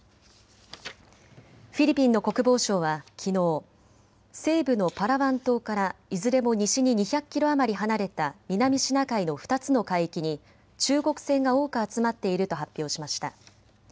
フィリピンの国防省はきのう、西部のパラワン島からいずれも西に２００キロ余り離れた南シナ海の２つの海域に中国船が多く集まっていると発表しました。